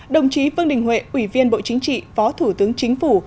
đồng chí vương đình huệ ủy viên bộ chính trị phó thủ tướng chính phủ